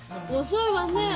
遅いわねえ。